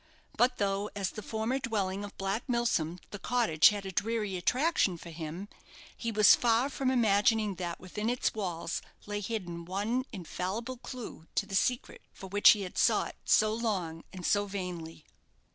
But though, as the former dwelling of Black Milsom, the cottage had a dreary attraction for him, he was far from imagining that within its walls lay hidden one infallible clue to the secret for which he had sought so long and so vainly.